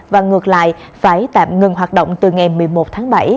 và ngược lại phải tạm ngừng hoạt động từ ngày một mươi một tháng bảy